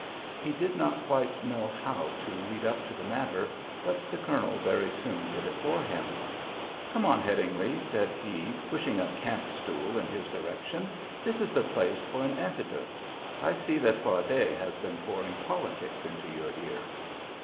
He did not quite know how to lead up to the matter, but the Colonel very soon did it for him. "Come on, Headingly," said he, pushing a camp stool in his direction. "This is the place for an antidote. I see that Fardet has been pouring politics into your ear."